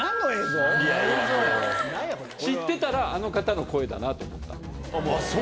知ってたら、あの方の声だなそう？